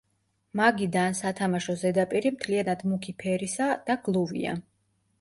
მაგიდა ან სათამაშო ზედაპირი მთლიანად მუქი ფერისა და გლუვია.